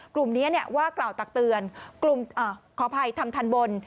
กลุ่มนี้ว่ากล่าวตักเตือนกลุ่มขออภัยทำทันบน